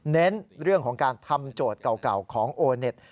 เน้นเรื่องของการทำโจทย์เก่าของโอเน็ต